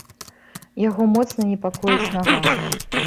Яго моцна непакоіць нага.